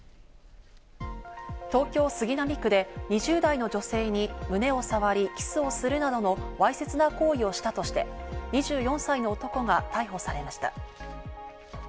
東京・杉並区で２０代の女性に胸を触り、キスをするなどのわいせつな行為をしたとして、２４歳の男が逮捕されました。